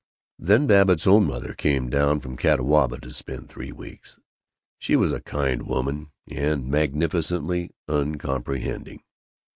Then Babbitt's own mother came down from Catawba to spend three weeks. She was a kind woman and magnificently uncomprehending.